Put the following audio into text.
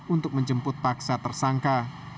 untuk menjemput paksa tersangka